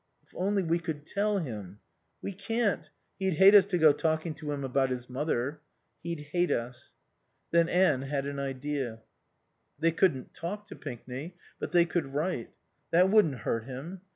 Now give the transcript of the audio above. "If only we could tell him " "We can't. He'd hate us to go talking to him about his mother." "He'd hate us." Then Anne had an idea. They couldn't talk to Pinkney but they could write. That wouldn't hurt him.